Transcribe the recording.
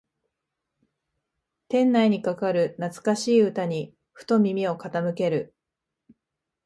店内にかかる懐かしい歌にふと耳を傾ける